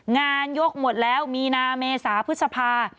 งานยกหมดแล้วมีนาเมษาพฤษภา